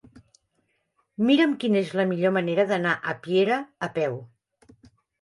Mira'm quina és la millor manera d'anar a Piera a peu.